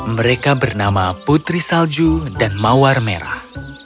mereka bernama putri salju dan mawar merah